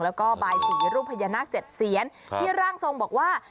แล้วก็บายสีรูปพญานาค๗เสียนที่ร่างทรงบอกว่า